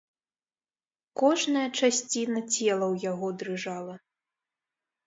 Кожная часціна цела ў яго дрыжала.